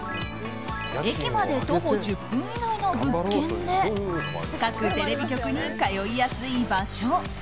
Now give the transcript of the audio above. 駅まで徒歩１０分以内の物件で各テレビ局に通いやすい場所。